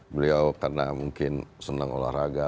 beliau karena mungkin senang olahraga